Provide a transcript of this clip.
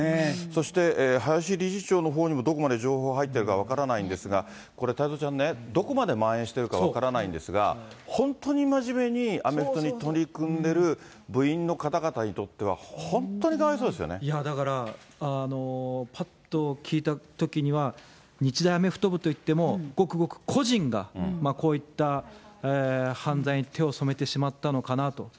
そして林理事長のほうにもどこまで情報が入ってるか分からないんですが、これ、太蔵ちゃんね、どこまでまん延してるか分からないんですが、本当に真面目にアメフトに取り組んでる部員の方々にとっては、本だから、ぱっと聞いたときには、日大アメフト部といっても、ごくごく個人が、こういった犯罪に手を染めてしまったのかなと。